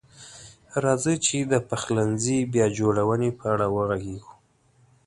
راځئ چې د پخلنځي بیا جوړونې په اړه وغږیږو.